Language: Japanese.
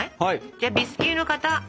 じゃあビスキュイの型！